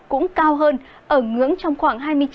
cũng cao hơn ở ngưỡng trong khoảng